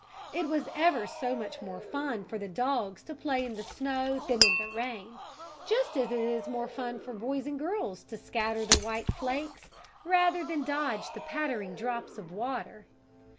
It was ever so much more fun for the dogs to play in the snow than in the rain, just as it is more fun for boys and girls to scatter the white flakes rather than dodge the pattering drops of water.